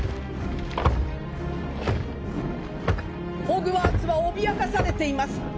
ホグワーツは脅かされています